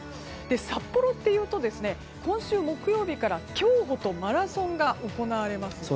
札幌というと今週木曜日から競歩とマラソンが行われます。